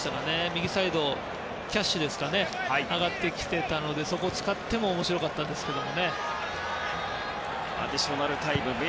右サイド、キャッシュが上がってきていたのでそこを使っても面白かったですけど。